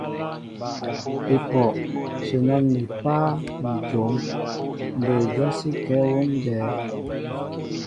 Epoh ! shenan mi páá ni jon, mbɛy jɔsíŋkɛɛ wón jɛέ.